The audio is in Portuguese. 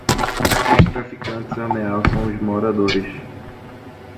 Os traficantes ameaçam os moradores.